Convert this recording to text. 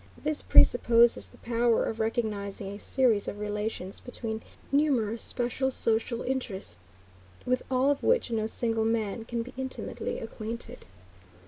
This presupposes the power of recognizing a series of relations between numerous special social interests, with all of which no single man can be intimately acquainted.